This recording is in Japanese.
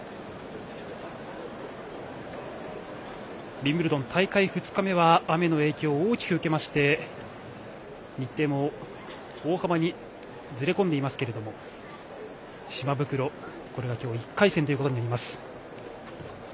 ウィンブルドン大会２日目は雨の影響を大きく受けまして日程も大幅にずれ込んでいますけれども島袋、これが今日１回戦ということになります。